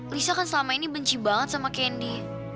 lisa kan selama ini benci banget sama kendi